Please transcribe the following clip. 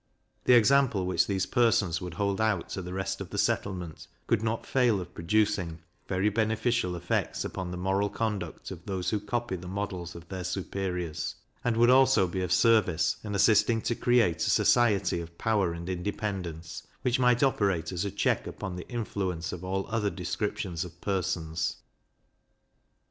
The example which these persons would hold out to the rest of the settlement, could not fail of producing very beneficial effects upon the moral conduct of those who copy the models of their superiors; and would also be of service in assisting to create a society of power and independence, which might operate as a check upon the influence of all other descriptions of persons.